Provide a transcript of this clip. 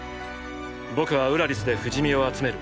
僕はウラリスで“不死身”を集める。